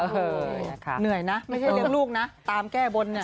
เหนื่อยนะไม่ใช่เลี้ยงลูกนะตามแก้บนเนี่ย